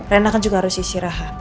rena kan juga harus istirahat